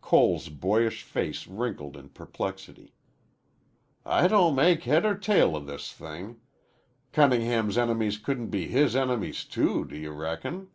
Cole's boyish face wrinkled in perplexity. "I don't make head or tail of this thing. Cunningham's enemies couldn't be his enemies, too, do you reckon?"